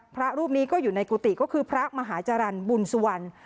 พระรูปนี้ก็อยู่ในกุฏิก็คือพระมหาจรรย์บุญสุวรรณ